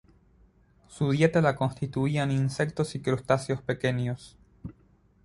Su dieta la constituían insectos y crustáceos pequeños.